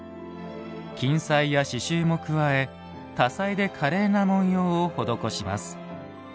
金彩や刺繍も加え多彩で華麗な文様を施します。